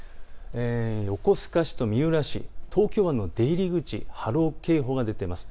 横須賀市と三浦市東京湾の出入り口、波浪警報が出ています。